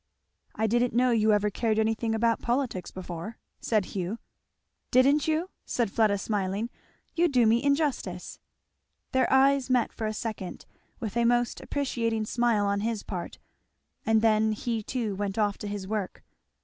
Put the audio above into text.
"I didn't know you ever cared anything about politics before," said Hugh. "Didn't you?" said Fleda smiling, "You do me injustice." Their eyes met for a second, with a most appreciating smile on his part; and then he too went off to his work.